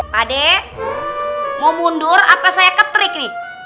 pak de mau mundur apa saya ketrik nih